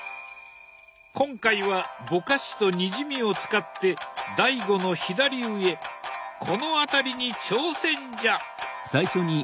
今回はぼかしとにじみを使って「醍醐」の左上この辺りに挑戦じゃ！